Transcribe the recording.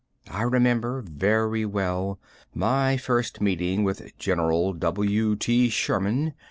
I remember very well my first meeting with General W.T. Sherman.